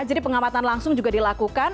jadi pengamatan langsung juga dilakukan